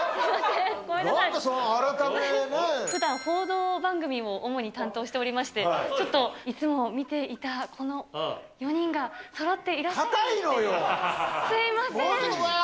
ふだん、報道番組を主に担当しておりまして、ちょっといつも見ていたこの４人がそろって。